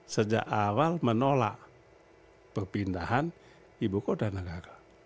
sejak awal menolak perpindahan ibu kota negara